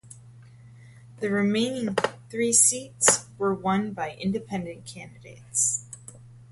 The remaining three seats were won by independent candidates.